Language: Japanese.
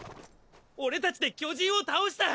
俺たちで巨人を倒した！